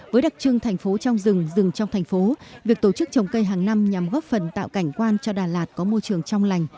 với đặc trưng thành phố trong rừng rừng trong thành phố việc tổ chức trồng cây hàng năm nhằm góp phần tạo cảnh quan cho đà lạt có môi trường trong lành